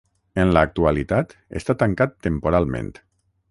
En l'actualitat està tancat temporalment.